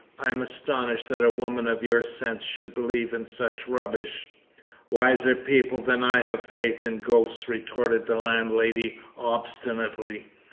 I am astonished that a woman of your sense should believe in such rubbish." "Wiser people than I have faith in ghosts," retorted the landlady obstinately.